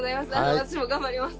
私も頑張ります。